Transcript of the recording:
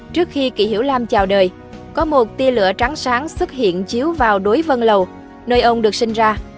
trước khi kỷ hiểu lam chào đời có một tia lửa trắng sáng xuất hiện chiếu vào đối vân lầu nơi ông được sinh ra